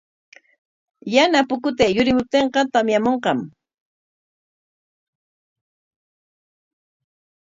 Yana pukutay yurimuptinqa tamyamunqam.